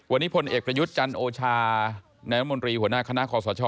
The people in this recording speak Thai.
วันนี้พลเอกประยุทธ์จันโอชานายมนตรีหัวหน้าคณะคอสช